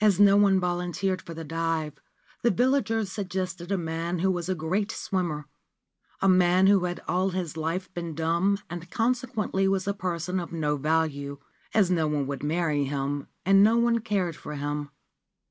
As no one volunteered for the dive, the villagers suggested a man who was a great swimmer — a man who had all his life been dumb and consequently was a person of no value, as no one would marry him and no one cared for him.